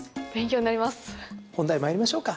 本題に参りましょうか。